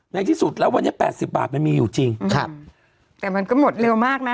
ในที่สุดแล้ววันนี้แปดสิบบาทมันมีอยู่จริงครับแต่มันก็หมดเร็วมากนะ